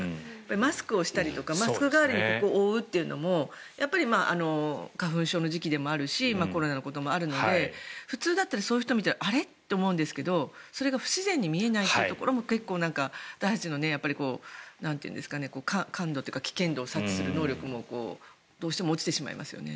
マスクをしたりとかマスク代わりにここを覆うというのもやっぱり花粉症の時期でもあるしコロナのこともあるので普通だったらそういう人を見たらあれ？って思うんですけどそこが不自然に見えないというのも結構、私たちの感度というか危険度を察知する能力も、どうしても落ちてしまいますよね。